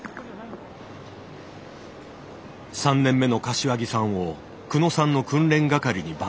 ３年目の柏木さんを久野さんの訓練係に抜擢。